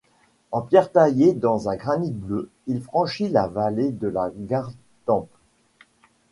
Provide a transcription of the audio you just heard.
En pierres taillées dans un granit bleu, il franchit la vallée de la Gartempe.